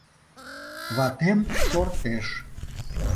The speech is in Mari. Ватем шортеш.